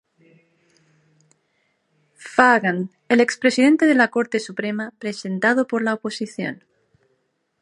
Fagan, el ex presidente de la Corte Suprema, presentado por la oposición.